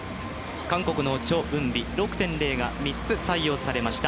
韓国のチョ・ウンビ、６．０が３つ採用されました。